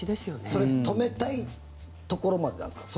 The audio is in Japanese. それ止めたいところまでなんですか？